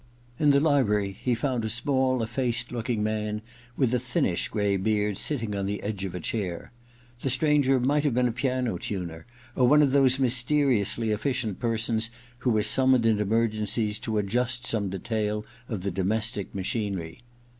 In the library he found a small efFaced looking man with a thinnish gray beard sitting on the edge of a chain The stranger might have been a piano tuner, or one of those mysteriously efficient persons who are summoned in emergencies to adjust some detail of the domestic machinery.